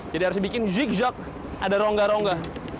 jadi harus dibikin zigzag ada rongga rongga